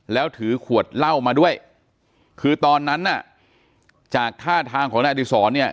แล้วถือขวดเหล้ามาด้วยคือตอนนั้นน่ะจากท่าทางของนายอดีศรเนี่ย